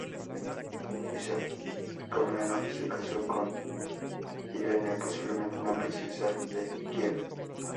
Isaac Comneno se casó con Irene, posiblemente una princesa de Kiev.